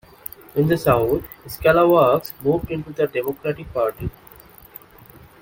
In the South, Scalawags moved into the Democratic Party.